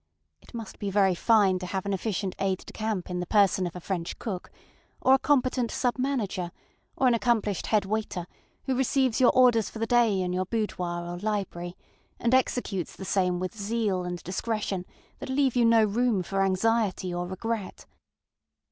It must be very fine to have an efficient aide de camp in the person of a French cook, or a competent sub manager, or an accomplished head waiter who receives your orders for the day in your boudoir or library, and executes the same with zeal and discretion that leave you no room for anxiety or regret.